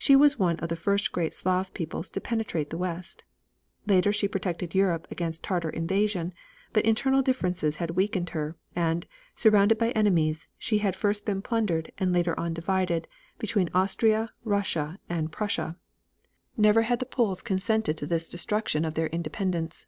She was one of the first of the great Slav peoples to penetrate the west. Later she had protected Europe against Tartar invasion, but internal differences had weakened her, and, surrounded by enemies, she had first been plundered, and later on divided between Austria, Russia and Prussia. Never had the Poles consented to this destruction of their independence.